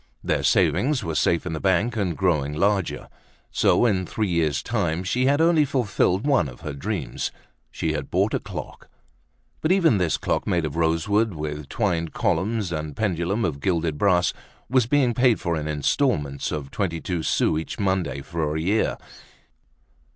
Their savings were safe in the bank, and growing larger. So, in three years' time she had only fulfilled one of her dreams—she had bought a clock. But even this clock, made of rosewood with twined columns and a pendulum of gilded brass, was being paid for in installments of twenty two sous each Monday for a year.